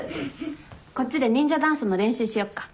こっちで忍者ダンスの練習しよっか。